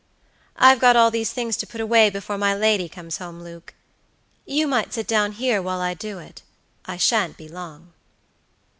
"I've got all these things to put away before my lady comes home, Luke; you might sit down here while I do it, I shan't be long."